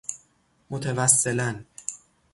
متوسلاً